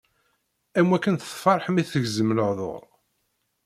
Am wakken tefreḥ mi tegzem lehdur.